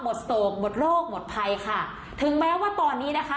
โศกหมดโรคหมดภัยค่ะถึงแม้ว่าตอนนี้นะคะ